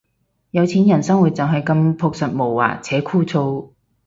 有錢人生活就係咁樸實無華且枯燥